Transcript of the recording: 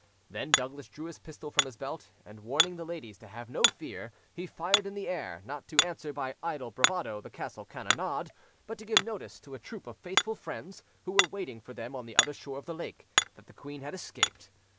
Then Douglas drew his pistol from his belt, and, warning the ladies to have no fear, he fired in the air, not to answer by idle bravado the castle cannonade, but to give notice to a troop of faithful friends, who were waiting for them on the other shore of the lake, that the queen had escaped.